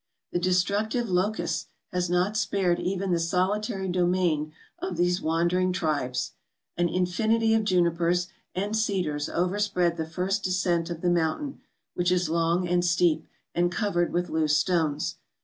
The destructive locust has not spared even the solitary domain of these wandering tribes. An in¬ finity of junipers and cedars overspread the first descent of the mountain, which is long and steep, and covered with loose stones.